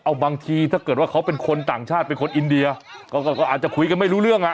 เอาบางทีถ้าเกิดว่าเขาเป็นคนต่างชาติเป็นคนอินเดียก็ก็อาจจะคุยกันไม่รู้เรื่องอ่ะ